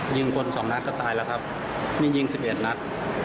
ยิงคนสองนัดก็ตายแล้วครับนี่ยิง๑๑นัด